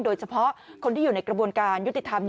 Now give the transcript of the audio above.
โดยเฉพาะคนที่อยู่ในกระบวนการยุติธรรม